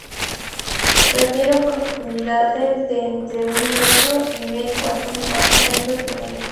Prefieren profundidades de entre un metro y medio hasta cuatro metros y medio.